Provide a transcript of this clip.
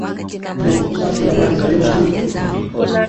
bo safi habari za leo nzuri tu nurdin